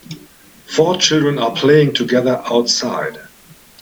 Four children are playing together outside.